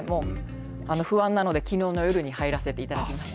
不安なので、きのうの夜に入らせていただきました。